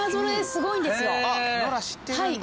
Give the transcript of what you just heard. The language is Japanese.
ノラ知ってるんだ。